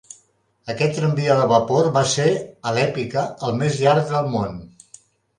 Aquest tramvia de vapor va ser, a l'èpica, el més llarg del món.